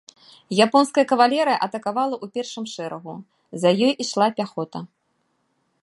Японская кавалерыя атакавала ў першым шэрагу, за ёй ішла пяхота.